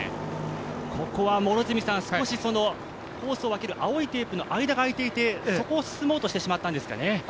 ここは少しコースを分ける青いテープの間があいていてそこを進もうとしてしまったんですかね。